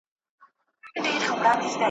زلمي بېریږي له محتسبه `